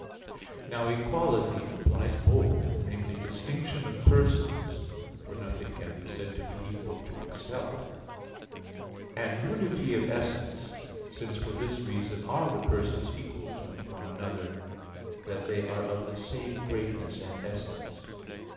Now equality implies both namely, distinction of persons, for nothing can be said to be equal to itself; and unity of essence, since for this reason are the persons equal to one another, that they are of the same greatness and essence.